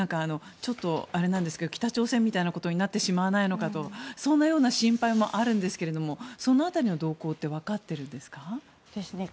ちょっとあれなんですけど北朝鮮みたいなことになってしまわないのかとそんなような心配もあるんですがその辺りの動向って分かってるんですか？